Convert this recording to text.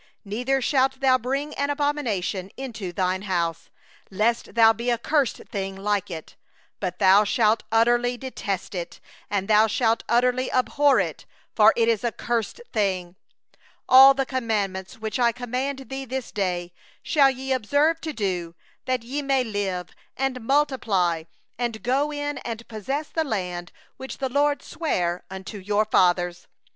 26And thou shalt not bring an abomination into thy house, and be accursed like unto it; thou shalt utterly detest it, and thou shalt utterly abhor it; for it is a devoted thing. All the commandment which I command thee this day shall ye observe to do, that ye may live, and multiply, and go in and possess the land which the LORD swore unto your fathers.